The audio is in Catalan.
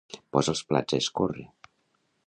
Posa els plats a escórrer.